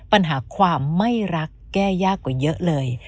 ปัญหาความไม่รักแก้ยากกว่าเยอะเลย